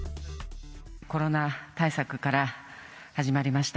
コロナ対策から始まりました